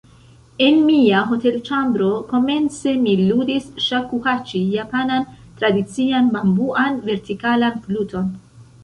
En mia hotelĉambro, komence mi ludis ŝakuhaĉi, japanan tradician bambuan vertikalan fluton.